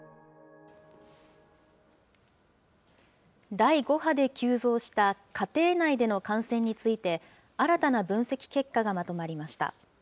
第５波で急増した家庭内での感染について、新たな分析結果がまとまりました。